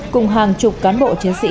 cùng hàng chục cán bộ chiến sĩ